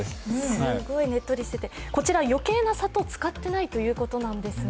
すごいねっとりしてて、こちら余計な砂糖が入っていないということですが。